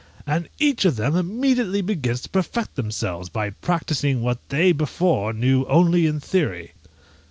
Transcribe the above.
and each of them immediately begins to perfect themselves, by practising what they before knew only in theory.